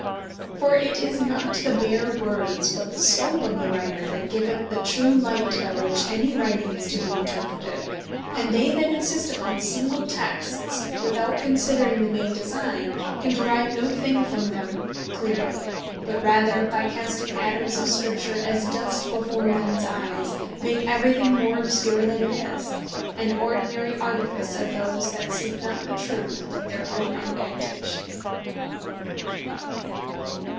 For it is not the bare Words, but the Scope of the writer that giveth the true light, by which any writing is to bee interpreted; and they that insist upon single Texts, without considering the main Designe, can derive no thing from them cleerly; but rather by casting atomes of Scripture, as dust before mens eyes, make every thing more obscure than it is; an ordinary artifice of those that seek not the truth, but their own advantage.